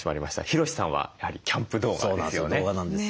ヒロシさんはやはりキャンプ動画なんですよね。